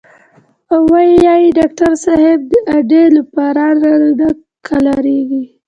او وې ئې " ډاکټر صېب د اډې لوفران رانه نۀ قلاریږي